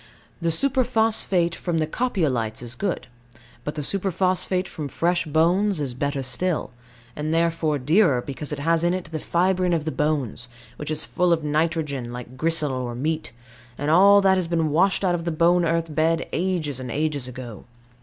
The superphosphate from the Copiolites is good; but the superphosphate from fresh bones is better still, and therefore dearer, because it has in it the fibrine of the bones, which is full of nitrogen, like gristle or meat; and all that has been washed out of the bone earth bed ages and ages ago.